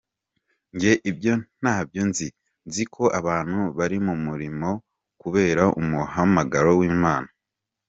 Njye ibyo ntabyo nzi, nziko abantu bari mu murimo kubera umuhamagaro w’Imana.